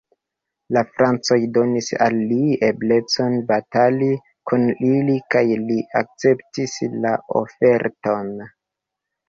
La Francoj donis al li eblecon batali kun ili kaj li akceptis la oferton.